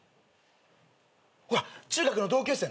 ほら中学の同級生の。